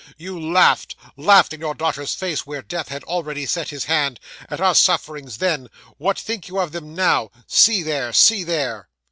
You laughed laughed in your daughter's face, where death had already set his hand at our sufferings, then. What think you of them now! See there, see there!"